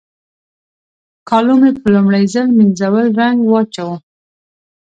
کالو مې په لومړي ځل مينځول رنګ واچاوو.